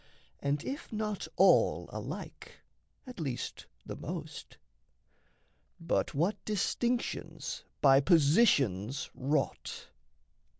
And if not all alike, at least the most But what distinctions by positions wrought!